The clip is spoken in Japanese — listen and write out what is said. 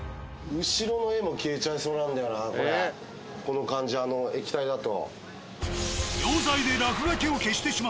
この感じあの液体だと。